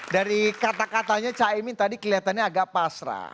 dari kata katanya cak imin tadi kelihatannya agak pasrah